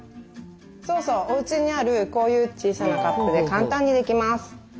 そうそうおうちにあるこういう小さなカップで簡単にできます。